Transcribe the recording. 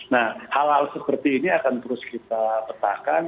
nah hal hal seperti ini akan terus kita petakan